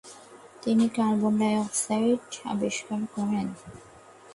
তিনি carbon dioxide আবিষ্কার করেন।